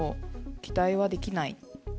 期待はできない。